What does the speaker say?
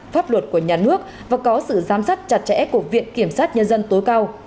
pháp luật của nhà nước và có sự giám sát chặt chẽ của viện kiểm sát nhân dân tối cao